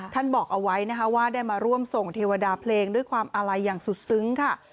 บอกเอาไว้นะคะว่าได้มาร่วมส่งเทวดาเพลงด้วยความอาลัยอย่างสุดซึ้งค่ะ